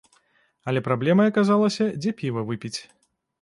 Але праблемай аказалася, дзе піва выпіць.